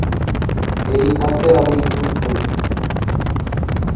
এই হাতে আমি ইঁদুর ধরেছি।